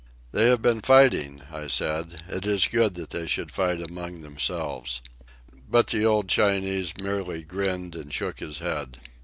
"They have been fighting," I said. "It is good that they should fight among themselves." But the old Chinese merely grinned and shook his head.